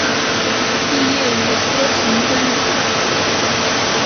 毕业于哥廷根大学。